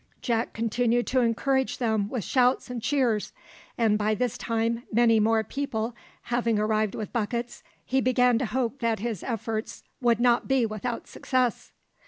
Jack continued to encourage them with shouts and cheers, and by this time many more people having arrived with buckets, he began to hope that his efforts would not be without success.